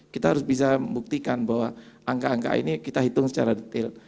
kita harus bisa membuktikan bahwa angka angka ini kita hitung secara detail